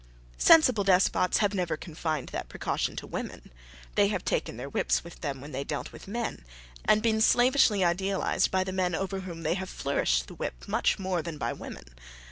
Sensible despots have never confined that precaution to women: they have taken their whips with them when they have dealt with men, and been slavishly idealized by the men over whom they have flourished the whip much more than by women.